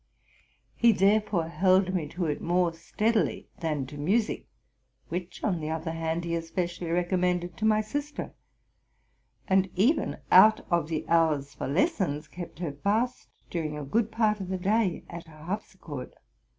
He therefore held me to it more steadily than to music; which, on the other hand, he especially recommended to my sister, and even out of the hours for lessons kept her fast, during a good part of the day, at her harpsichord.